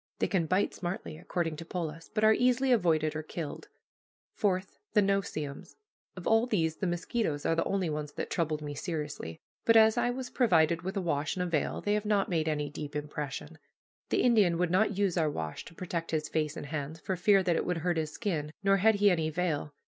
They can bite smartly, according to Polis, but are easily avoided or killed. Fourth, the no see ems. Of all these, the mosquitoes are the only ones that troubled me seriously, but as I was provided with a wash and a veil, they have not made any deep impression. The Indian would not use our wash to protect his face and hands, for fear that it would hurt his skin, nor had he any veil.